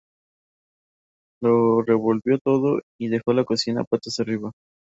Lo revolvió todo y dejó la cocina patas arriba